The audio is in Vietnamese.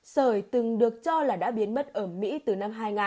sởi từng được cho là đã biến mất ở mỹ từ năm hai nghìn